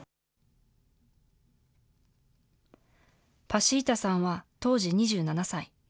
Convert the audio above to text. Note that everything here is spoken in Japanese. パシータさんは当時２７歳。